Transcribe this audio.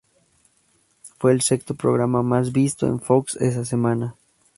Fue el sexto programa más visto en Fox esa semana.